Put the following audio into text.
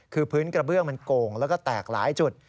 คือพื้นกระเบื้องมันโก่งแล้วก็แตกหลายจุด